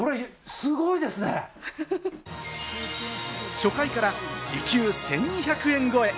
初回から時給１２００円超え。